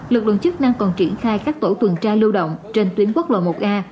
lực lượng chức năng còn triển khai các tổ tuần tra lưu động trên tuyến quốc lộ một a